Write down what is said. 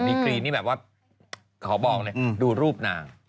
กรีนี่แบบว่าขอบอกเลยดูรูปนาง